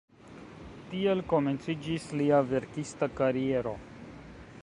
Tiel komenciĝis lia verkista kariero.